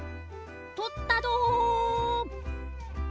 取ったど！